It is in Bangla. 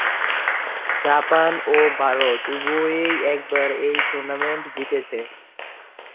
জাপান ও ভারত উভয়েই একবার এই টুর্নামেন্ট জিতেছে।